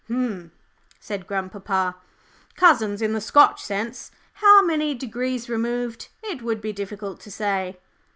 "Umph," said grandpapa, "'cousins,' in the Scotch sense; how many degrees removed, it would be difficult to say."